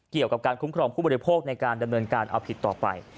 เกี่ยวกับการคุ้มครองผู้บริโภคในการดำเนินการเอาผิดต่อไป